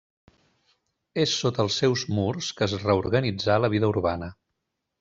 És sota els seus murs que es reorganitzà la vida urbana.